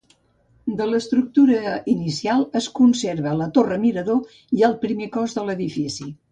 De l'estructura inicial es conserva la torre-mirador i el primer cos de l'edifici.